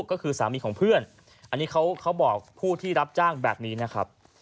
ก็คือสามีของเพื่อนอันนี้เขาบอกผู้ที่รับจ้างแบบนี้นะครับ